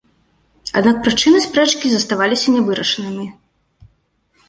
Аднак прычыны спрэчкі заставаліся нявырашанымі.